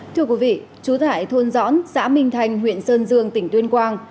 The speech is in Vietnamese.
thưa quý vị chú thải thôn dõn xã minh thành huyện sơn dương tỉnh tuyên quang